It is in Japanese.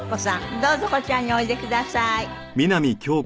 どうぞこちらにおいでください。